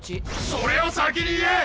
それを先に言え！